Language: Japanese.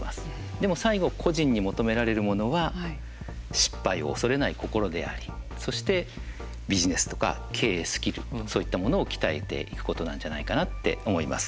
でも、最後個人に求められるものは失敗を恐れない心でありそして、ビジネスとか経営スキルそういったものを鍛えていくことなんじゃないかなって思います。